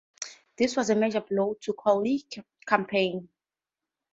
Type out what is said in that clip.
This was a major blow to Colley's campaign.